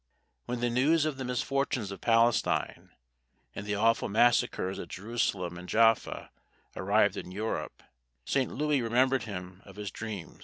When the news of the misfortunes of Palestine, and the awful massacres at Jerusalem and Jaffa, arrived in Europe, St. Louis remembered him of his dream.